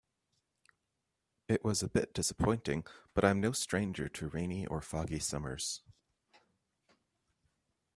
It was a bit disappointing, but I am no stranger to rainy or foggy summers.